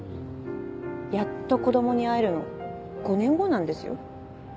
やっと子供に会えるの５年後なんですよ？